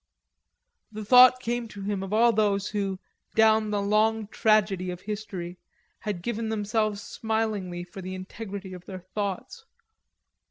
The thought came to him of all those who, down the long tragedy of history, had given themselves smilingly for the integrity of their thoughts.